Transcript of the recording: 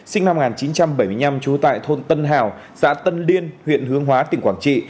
một nghìn chín trăm bảy mươi năm trú tại thôn tân hào xã tân liên huyện hương hóa tỉnh quảng trị